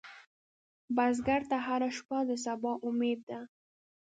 بزګر ته هره شپه د سبا امید ده